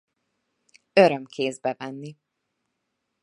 Öröm kézbe venni.